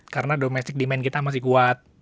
karena domestic demand kita masih kuat